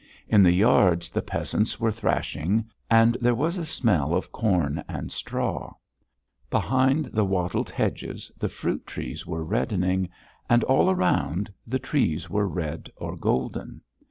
In the yards the peasants were thrashing and there was a smell of corn and straw. Behind the wattled hedges the fruit trees were reddening and all around the trees were red or golden.